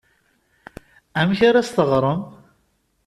Amek ara as-teɣrem?